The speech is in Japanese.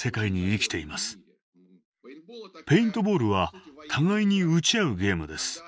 ペイントボールは互いに撃ち合うゲームです。